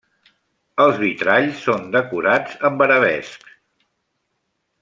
Els vitralls són decorats amb arabescs.